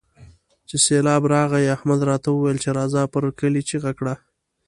چې سېبلاب راغی؛ احمد راته وويل چې راځه پر کلي چيغه کړه.